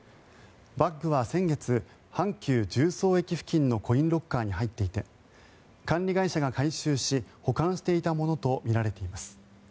バッグは先月阪急十三駅付近のコインロッカーに入っていて管理会社が回収し保管していたものとみられています。